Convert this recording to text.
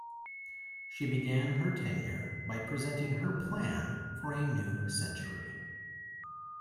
She began her tenure by presenting her Plan for a New Century.